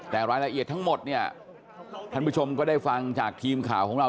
แต่รายละเอียดทั้งหมดเนี่ยท่านผู้ชมก็ได้ฟังจากทีมข่าวของเรา